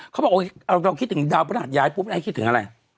เขาบอกเราคิดถึงดาวพระหัสย้ายปุ๊บไอ้คิดถึงอะไร